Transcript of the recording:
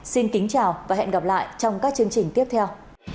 xin kính chào và hẹn gặp lại trong các chương trình tiếp theo